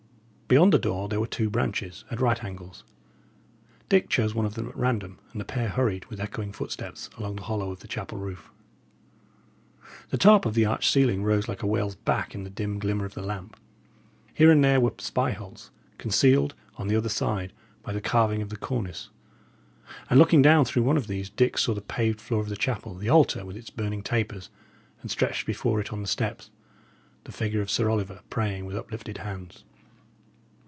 Beyond the door there were two branches, at right angles. Dick chose one of them at random, and the pair hurried, with echoing footsteps, along the hollow of the chapel roof. The top of the arched ceiling rose like a whale's back in the dim glimmer of the lamp. Here and there were spyholes, concealed, on the other side, by the carving of the cornice; and looking down through one of these, Dick saw the paved floor of the chapel the altar, with its burning tapers and stretched before it on the steps, the figure of Sir Oliver praying with uplifted hands.